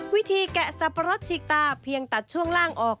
แกะสับปะรดฉีกตาเพียงตัดช่วงล่างออก